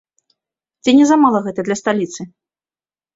Ці не замала гэта для сталіцы?